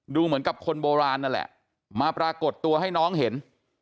เหมือนกับคนโบราณนั่นแหละมาปรากฏตัวให้น้องเห็น